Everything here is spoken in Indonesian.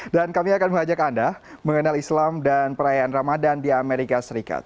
dan kami akan mengajak anda mengenal islam dan perayaan ramadan di amerika serikat